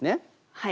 はい。